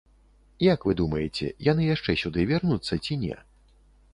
Як вы думаеце, яны яшчэ сюды вернуцца ці не?